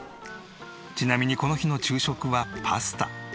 ちなみにこの日の昼食はパスタ。